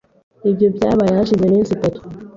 Ibyo byabaye hashize iminsi itatu .